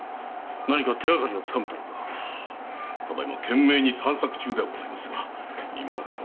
ただいま懸命に探索中ではございますが今のところ。